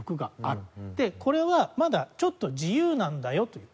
でこれはまだちょっと自由なんだよという。